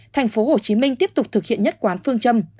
thành phố hồ chí minh tiếp tục thực hiện nhất quán phương châm